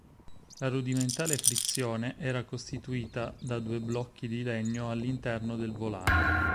La rudimentale frizione era costituita da due blocchi di legno all'interno del volano.